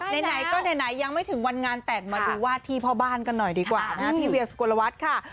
ไหนก็ไหนยังไม่ถึงวันงานแต่งมาดูวาดที่พ่อบ้านกันหน่อยดีกว่านะฮะพี่เวียสุกลวัฒน์ค่ะ